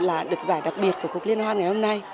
là được giải đặc biệt của cuộc liên hoan ngày hôm nay